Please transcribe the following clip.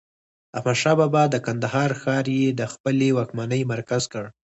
احمدشاه بابا د کندهار ښار يي د خپلې واکمنۍ مرکز کړ.